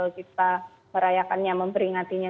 kita merayakannya memperingatinya